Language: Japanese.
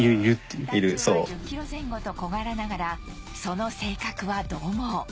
体重は１０キロ前後と小柄ながらその性格は獰猛